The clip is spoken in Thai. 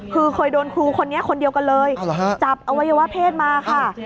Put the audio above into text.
คือเคยโดนครูคนนี้คนเดียวกันเลยจับอวัยวะเพศมาค่ะ